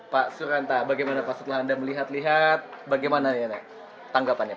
pak suranta bagaimana pak setelah anda melihat lihat bagaimana tanggapannya